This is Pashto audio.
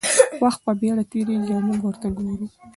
وخت په بېړه تېرېږي او موږ ورته ګورو.